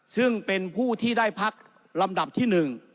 ซึ่งเป็นผู้ที่ได้พักลำดับที่๑